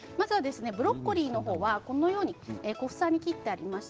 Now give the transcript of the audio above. ブロッコリーは小房に切ってあります。